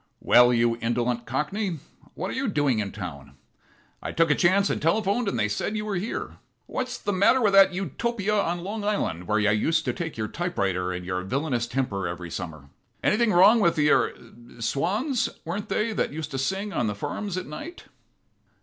Well, you indolent cockney, what are you doing in town? I took a chance and telephoned, and they said you were here. What's the matter with that Utopia on Long Island where you used to take your typewriter and your villainous temper every summer? Anything wrong with the er swans, weren't they, that used to sing on the farms at night?"